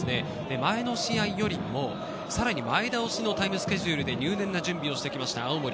前の試合よりも、さらに前倒しのタイムスケジュールで入念な準備をしてきました。